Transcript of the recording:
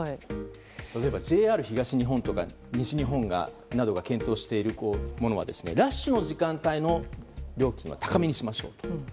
例えば、ＪＲ東日本とか西日本などが検討しているものはラッシュの時間帯の料金は高めにしましょうと。